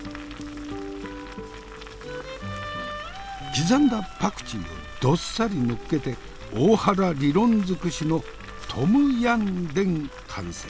刻んだパクチーをどっさり載っけて大原理論尽くしのトムヤムでん完成。